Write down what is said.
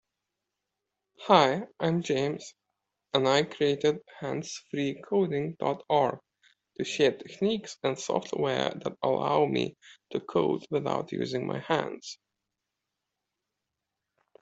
Hi, I'm James, and I created handsfreecoding.org to share techniques and software that allow me to code without using my hands.